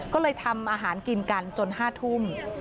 ก็เลยทำอาหารกินกันจน๕ทุ่ม